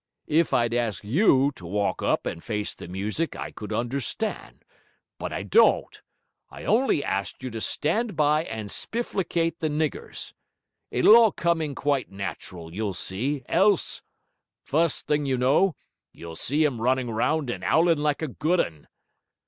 If I'd ast you to walk up and face the music I could understand. But I don't. I on'y ast you to stand by and spifflicate the niggers. It'll all come in quite natural; you'll see, else! Fust thing, you know, you'll see him running round and owling like a good un...'